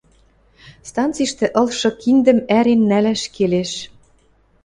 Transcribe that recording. Станциштӹ ылшы киндӹм ӓрен нӓлӓш келеш!